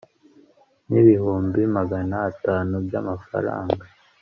n ibihumbi magana atanu by amafaranga